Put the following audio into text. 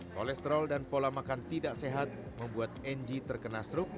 kolesterol dan pola makan tidak sehat membuat ng terkena stroke